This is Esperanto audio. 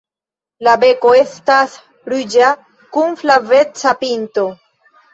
La beko estas ruĝa kun flaveca pinto.